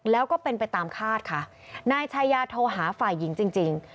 แล้วก็เป็นไปตามคาดค่ะนายชายาโทรหาฝ่ายหญิงจริงจริง